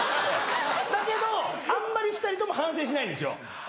だけどあんまり２人とも反省しないんですよ。